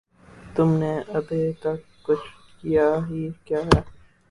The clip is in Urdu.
تم نے ابھے تک کچھ کیا ہی کیا ہے